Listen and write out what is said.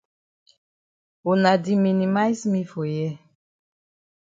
Wuna di minimize me for here.